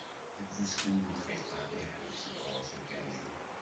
Deg uzgen n dqiqa, iḥbes-d ɣur-s ukamyun.